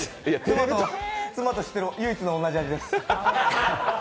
妻と知ってる唯一の同じ味です。